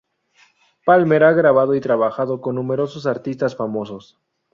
Palmer ha grabado y trabajado con numerosos artistas famosos.